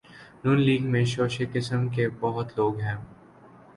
ن لیگ میں شوشے قسم کے بہت لوگ ہیں۔